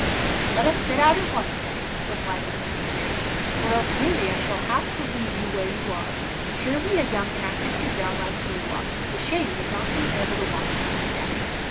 'Let us set out at once then,' replied the Prince severely, 'or else really I shall have to leave you where you are. Surely a young and active gazelle like you ought to be ashamed of not being able to walk a few steps.